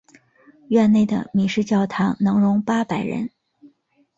院内的米市教堂能容八百人。